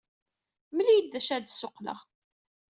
Mel-iyi-d d acu ara d-ssuqqleɣ.